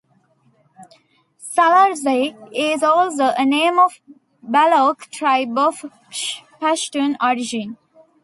Salarzai is also a name of Baloch tribe of Pashtun origin.